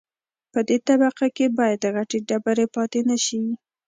په دې طبقه کې باید غټې ډبرې پاتې نشي